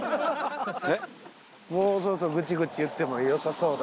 もうそろそろグチグチ言ってもよさそうな。